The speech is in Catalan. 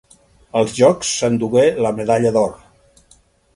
Als Jocs s'endugué la medalla d'or.